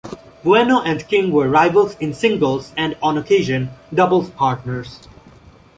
Bueno and King were rivals in singles and, on occasion, doubles partners.